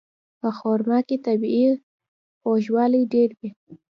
په خرما کې طبیعي خوږوالی ډېر وي.